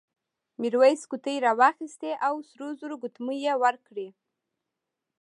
میرويس قوطۍ راوایستې او سرو زرو ګوتمۍ یې ورکړې.